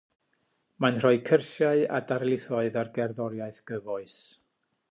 Mae'n rhoi cyrsiau a darlithoedd ar gerddoriaeth gyfoes.